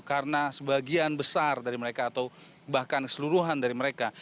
karena sebagian besar dari mereka atau bahkan keseluruhan dari mereka